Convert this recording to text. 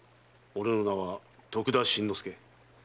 俺の名は徳田新之助。